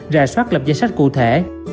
rà soát lập danh sách cụ thể